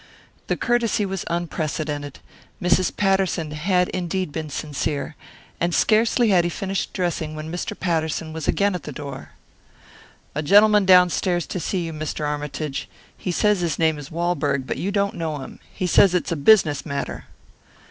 The courtesy was unprecedented. Mrs. Patterson had indeed been sincere. And scarcely had he finished dressing when Mr. Patterson was again at the door. "A gentleman downstairs to see you, Mr. Armytage. He says his name is Walberg but you don't know him. He says it's a business matter."